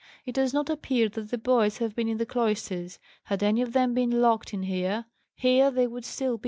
"It does not appear that the boys have been in the cloisters. Had any of them been locked in here, here they would be still."